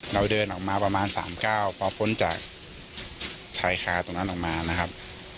เราเดินออกมาประมาณ๓ก้าวพอพ้นจากชายคาตรงนั้นออกมานะครับ